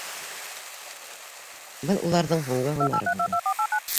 Был уларҙың һуңғы һунары булды.